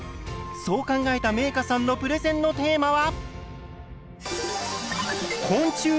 そう考えためいかさんのプレゼンのテーマは。